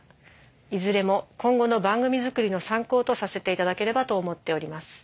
いずれも今後の番組作りの参考とさせていただければと思っております。